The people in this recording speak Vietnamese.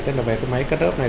tức là về cái máy cắt ớp này